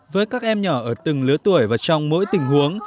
với các em nhỏ ở từng lứa tuổi và trong mỗi tình huống